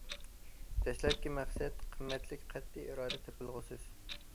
دەسلەپكى مەقسەت قىممەتلىك، قەتئىي ئىرادە تېپىلغۇسىز.